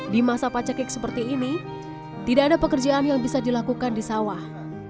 di masa pacekik seperti ini tidak ada pekerjaan yang bisa dilakukan di sawah